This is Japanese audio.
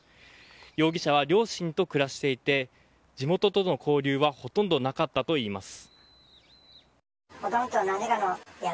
容疑者は両親と暮らしていて地元との交流はほとんどなかったといいます。